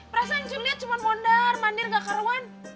perasaan uncun liat cuma mondar mandir gak keruan